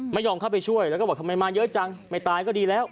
ไม่ยอมเข้าไปช่วยแล้วก็บอกทำไมมาเยอะจังไม่ตายก็ดีแล้ว